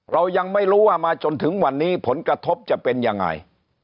เรายังไม่รู้ว่ามาจนถึงวันนี้ผลกระทบจะเป็นยังไง